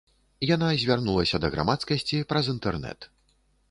Яна звярнулася да грамадскасці праз інтэрнэт.